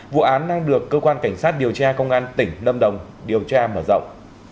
vụ án đang được cơ quan cảnh sát điều tra công an tỉnh lâm đồng điều tra mở rộng